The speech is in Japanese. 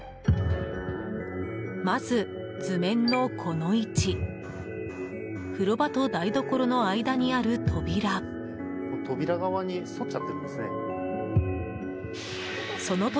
まず、図面のこの位置風呂場と台所の間にある扉。